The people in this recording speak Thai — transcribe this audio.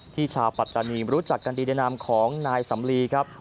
ชาวปัตตานีรู้จักกันดีในนามของนายสำลีครับ